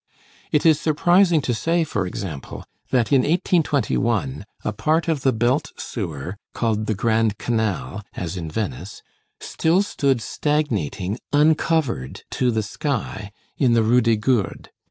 It is surprising to say, for example, that in 1821, a part of the belt sewer, called the Grand Canal, as in Venice, still stood stagnating uncovered to the sky, in the Rue des Gourdes.